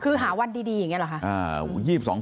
คือหาวันดีอย่างนี้เหรอคะ